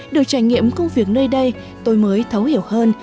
được trải nghiệm công việc nơi đây tôi mới thấu hiểu hơn